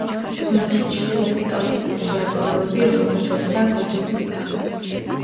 მთის ჩრდილოეთი კალთის ძირში არის წყაროები, რომელთა შორისაა გოგირდის წყალიც.